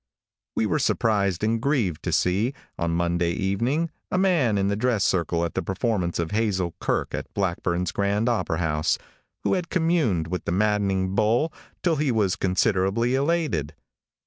|WE were surprised and grieved to see, on Monday evening, a man in the dress circle at the performance of Hazel Kirke at Blackburn's Grand Opera House, who had communed with the maddening bowl till he was considerably elated.